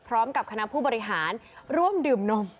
พร้อมกับคณะผู้บริหารร่วมดื่มนม